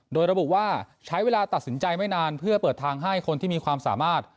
โดยระบุว่าใช้เวลาตัดสินใจไม่นานเพื่อเปิดทางให้คนที่มีความสามารถ